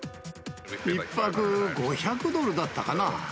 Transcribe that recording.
１泊５００ドルだったかな。